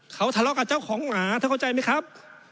เขาทะเลาะกับเจ้าของหมาท่านเข้าใจไหมครับ